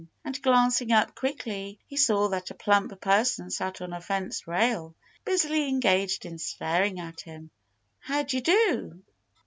And glancing up quickly, he saw that a plump person sat on a fence rail, busily engaged in staring at him. "How dy do!"